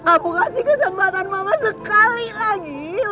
aku kasih kesempatan mama sekali lagi